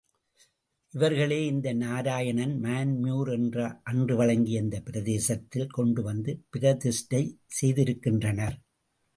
இவர்களே இந்த நாராயணனை மான்மியூர் என்று அன்று வழங்கிய இந்தப் பிரதேசத்தில் கொண்டு வந்து பிரதிஷ்டை செய்திருக்கின்றனர்.